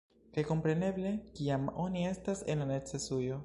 Kaj kompreneble kiam oni estas en la necesujo